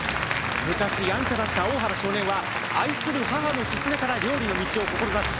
昔やんちゃだった大原少年は愛する母の勧めから料理の道を志し